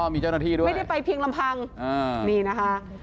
มีเจ้าหน้าที่ด้วยไม่ได้ไปเพียงลำพังนี่นะคะ